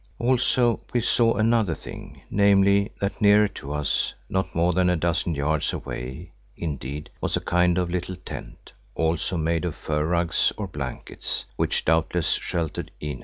Also we saw another thing, namely that nearer to us, not more than a dozen yards away, indeed, was a kind of little tent, also made of fur rugs or blankets, which doubtless sheltered Inez.